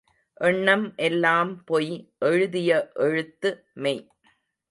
எண்ணம் எல்லாம் பொய் எழுதிய எழுத்து மெய்.